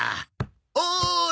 おい！